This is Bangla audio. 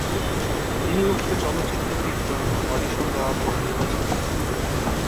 তিনি উক্ত চলচ্চিত্রটির জন্য অডিশন দেওয়ার পর নির্বাচিত হন।